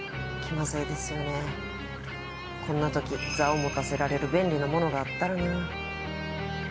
こんな時座を持たせられる便利なモノがあったらな